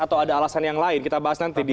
atau ada alasan yang lain kita bahas nanti di